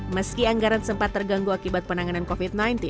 meski anggaran sempat terganggu akibat penanganan covid sembilan belas